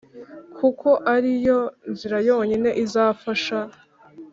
kuko ari yo nzira yonyine izafasha